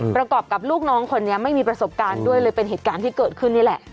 ประกอบกับลูกน้องคนนี้ไม่มีประสบการณ์ด้วยเลยเป็นเหตุการณ์ที่เกิดขึ้นนี่แหละ